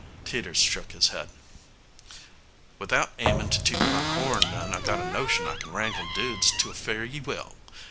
Teeters shook his head. "Without aimin' to toot my horn none, I got a notion I can wrangle dudes to a fare ye well.